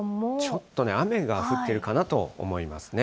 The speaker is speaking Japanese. ちょっとね、雨が降っているかなと思いますね。